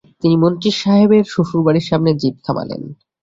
তিনি মন্ত্রী সাহেবের শ্বশুরবাড়ির সামনে জীপ থামালেন।